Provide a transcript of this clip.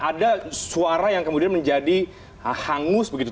ada suara yang kemudian menjadi hangus begitu